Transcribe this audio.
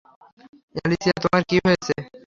Alicia, তোমার কি হয়েছে?